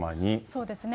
そうですね。